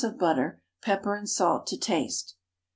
of butter, pepper and salt to taste.